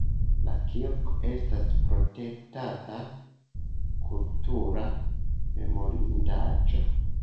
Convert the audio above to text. La kirko estas protektata kultura memorindaĵo.